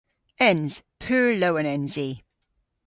Ens. Pur lowen ens i.